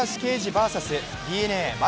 ＶＳＤｅＮＡ・牧